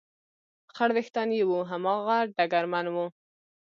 خړ وېښتان یې و، هماغه ډګرمن و.